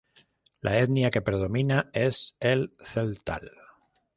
La etnia que predomina es el tzeltal.